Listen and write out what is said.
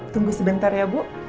tunggu sebentar ya bu